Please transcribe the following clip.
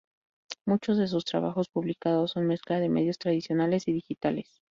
Muchos de sus trabajos publicados son mezcla de medios tradicionales y digitales.